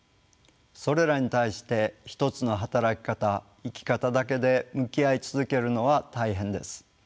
それらに対して一つの働き方生き方だけで向き合い続けるのは大変です。